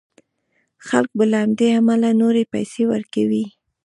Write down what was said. خلک به له همدې امله نورې پيسې ورکوي.